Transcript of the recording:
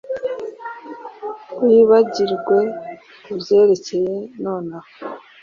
Wibagirwe kubyerekeye nonaha